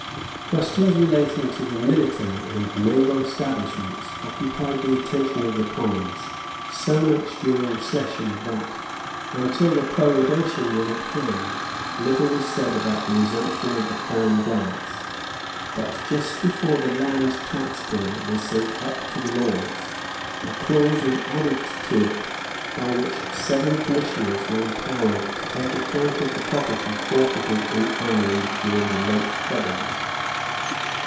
Questions relating to the military and naval Establishments occupied the attention of the Commons so much during the session that, until the prorogation was at hand, little was said about the resumption of the Crown grants. But, just before the Land Tax Bill was sent up to the Lords, a clause was added to it by which seven Commissioners were empowered to take account of the property forfeited in Ireland during the late troubles.